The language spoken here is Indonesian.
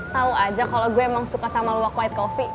tau aja kalau gue emang suka sama loak white coffee